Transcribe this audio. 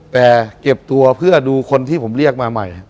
แต่เก็บตัวเพื่อดูคนที่ผมเรียกมาใหม่